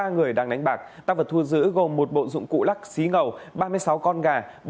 bốn mươi ba người đang đánh bạc tăng vật thua giữ gồm một bộ dụng cụ lắc xí ngầu ba mươi sáu con gà